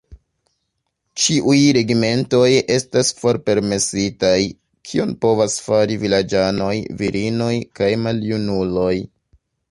Ĉiuj regimentoj estas forpermesitaj, kion povas fari vilaĝanoj, virinoj kaj maljunuloj?